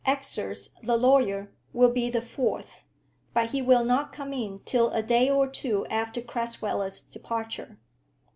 Exors, the lawyer, will be the fourth; but he will not come in till a day or two after Crasweller's departure."